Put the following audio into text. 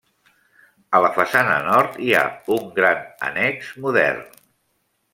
A la façana nord hi ha un gran annex modern.